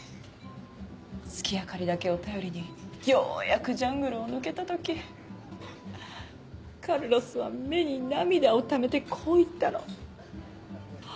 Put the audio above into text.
月明かりだけを頼りにようやくジャングルを抜けた時カルロスは目に涙をためてこう言ったの。